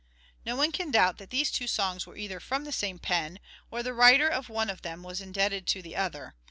No one can doubt that these two songs were either from the same pen, or the writer of one of them was indebted to the other.